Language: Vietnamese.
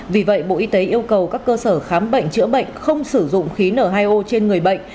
vì vậy bộ y tế yêu cầu các cơ sở khám bệnh chữa bệnh không sử dụng khí n hai o trên người bệnh